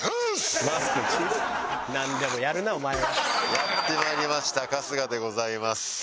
やってまいりました春日でございます。